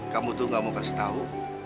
kamu tuh gak mau kasih tahu